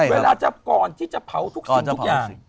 เวลาจะก่อนที่จะเผาทุกสิ่งทุกอย่าง